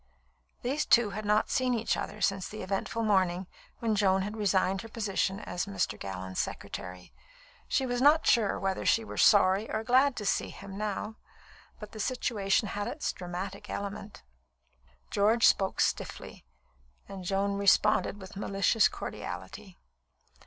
These two had not seen each other since the eventful morning when Joan had resigned her position as Mr. Gallon's secretary. She was not sure whether she were sorry or glad to see him now, but the situation had its dramatic element. George spoke stiffly, and Joan responded with malicious cordiality.